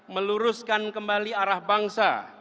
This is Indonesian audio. meluruskan kembali arah bangsa